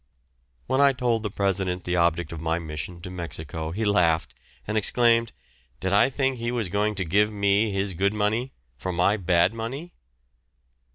When I told the President the object of my mission to Mexico he laughed, and exclaimed, "Did I think he was going to give me his good money for my bad money?"